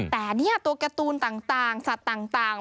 แต่นี่ตัวการ์ตูนต่างสัตว์ต่าง